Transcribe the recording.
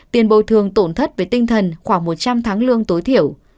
tiền bồi thường tổn thất về tinh thần khoảng một trăm linh tháng lương tối thiểu